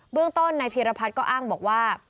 เบื้องต้นในพิรพัฒก็อ้างบอกว่า